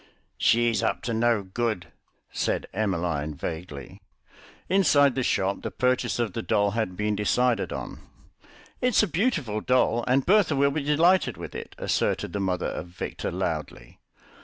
"She's up to no good," said Emmeline vaguely. Inside the shop the purchase of the doll had been decided on. "It's a beautiful doll, and Bertha will be delighted with it," asserted the mother of Victor loudly.